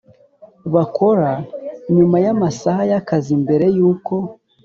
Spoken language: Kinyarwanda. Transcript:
bakora nyuma y amasaha y akazi Mbere y uko